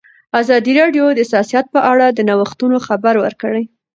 ازادي راډیو د سیاست په اړه د نوښتونو خبر ورکړی.